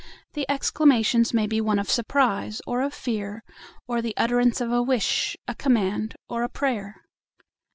The exclamation may be one of surprise or of fear, or the utterance of a wish, a command, or a prayer.